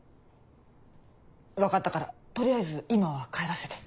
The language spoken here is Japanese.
分かったから取りあえず今は帰らせて。